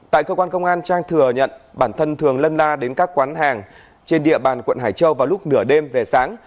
tại cơ quan công an trang thừa nhận bản thân thường lân la đến các quán hàng trên địa bàn quận hải châu vào lúc nửa đêm về sáng